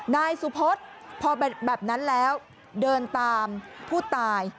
นายสุพธพอแบบนั้นแล้วเดินตามผู้ตาย